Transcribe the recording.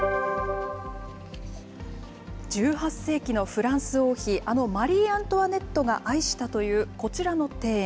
１８世紀のフランス王妃、あのマリー・アントワネットが愛したというこちらの庭園。